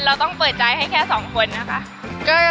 เราต้องเปิดใจให้แค่๒คนนะคะ